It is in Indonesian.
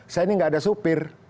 saya ini nggak ada supir